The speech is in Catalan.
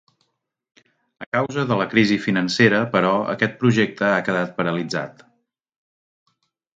A causa de la crisi financera però aquest projecte ha quedat paralitzat.